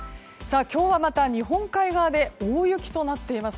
今日は、また日本海側で大雪となっています。